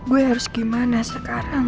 gue harus gimana sekarang